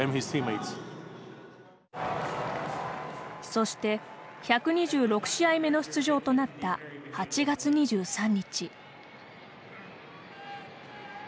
そして１２６試合目の出場となった８月２３日。